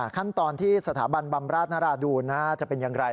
ขั้นตอนที่สถาบันบำราชนราดูนจะเป็นอย่างไร